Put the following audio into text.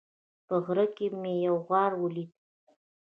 په غره کې مې یو غار ولید